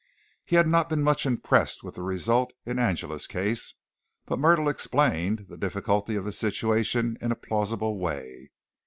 He had not been much impressed with the result in Angela's case, but Myrtle explained the difficulty of the situation in a plausible way.